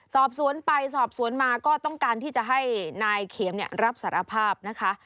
สอบสวนไปสอบสวนมาก็ต้องการที่จะให้นายเข็มรับสารภาพนะคะ